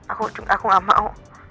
aku gak mau